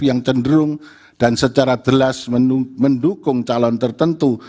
yang cenderung dan secara jelas mendukung calon tertentu